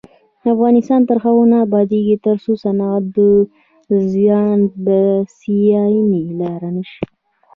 افغانستان تر هغو نه ابادیږي، ترڅو صنعت د ځان بسیاینې لاره نشي.